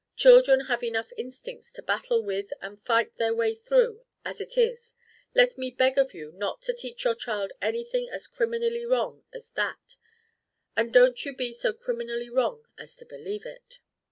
Children have enough instincts to battle with and fight their way through, as it is. Let me beg of you not to teach your child anything as criminally wrong as that; and don't you be so criminally wrong as to believe it!"